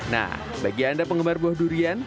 nah bagi anda penggemar buah durian